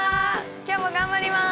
今日も頑張ります！